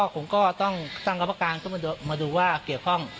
คงต้องตั้งกรรมการมาดูว่าเกี่ยวข้อง